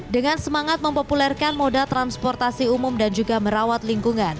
dengan semangat mempopulerkan moda transportasi umum dan juga merawat lingkungan